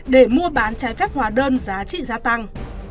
để mua bán trái phép hóa đơn giá trị gia tăng